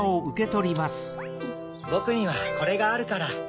ぼくにはこれがあるから。